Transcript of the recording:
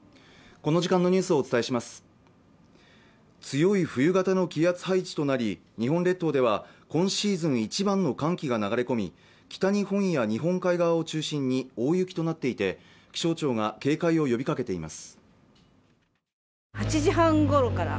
この時間のニュースをお伝えします強い冬型の気圧配置となり日本列島では今シーズン一番の寒気が流れ込み北日本や日本海側を中心に大雪となっていて気象庁が警戒を呼びかけています